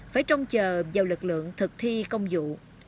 phải trông chờ dầu lực lượng thực thi công dụ